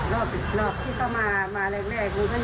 รอบที่ต่อมามาแรกมันก็หลุด